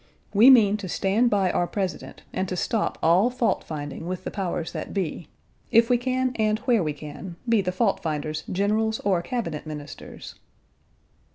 We mean to stand by our President and to stop all fault finding with the powers that be, if we can and where we can, be the fault finders generals or Cabinet Ministers.